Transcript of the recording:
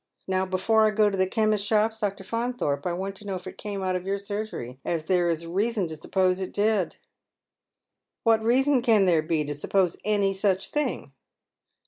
Now, before I go to the cliemists' shops. Dr. Faunthorpe, I want to know if it came out af your surgerj , as there is reason to suppose it did." " Wljjit reason can there be to suppose any such thing?